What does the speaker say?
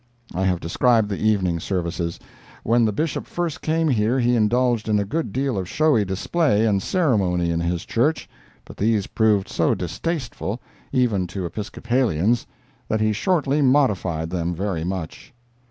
I have described the evening services. When the Bishop first came here he indulged in a good deal of showy display and ceremony in his Church, but these proved so distasteful, even to Episcopalians, that he shortly modified them very much.